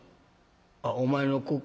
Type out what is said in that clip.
あっお前の子か。